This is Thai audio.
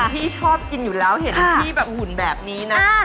พี่ชอบกินอยู่แล้วเห็นพี่แบบหุ่นแบบนี้นะ